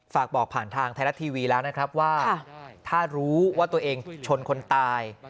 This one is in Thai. ฝากบอกผ่านทางไทยรัฐทีวีแล้วนะครับว่าถ้ารู้ว่าตัวเองชนคนตาย